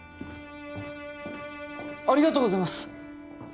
ありがとうございます。